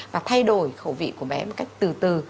và thay đổi khẩu vị của bé một cách từ từ